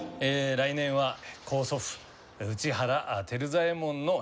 来年は高祖父・内原照左衛門の百回忌。